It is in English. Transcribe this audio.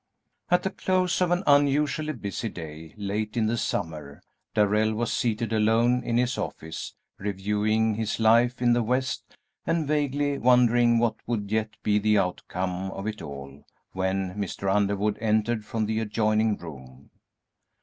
At the close of an unusually busy day late in the summer Darrell was seated alone in his office, reviewing his life in the West and vaguely wondering what would yet be the outcome of it all, when Mr. Underwood entered from the adjoining room.